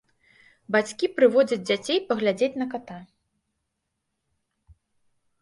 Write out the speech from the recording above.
Бацькі прыводзяць дзяцей паглядзець на ката.